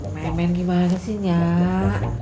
main main gimana sih nyak